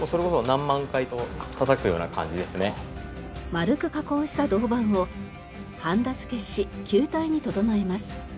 丸く加工した銅板をハンダ付けし球体に整えます。